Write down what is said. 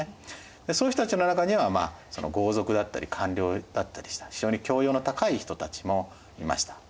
そういう人たちの中には豪族だったり官僚だったりした非常に教養の高い人たちもいました。